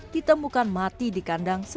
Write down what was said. ditemukan mati di kandang